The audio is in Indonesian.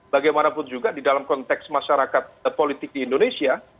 bagaimanapun juga di dalam konteks masyarakat politik di indonesia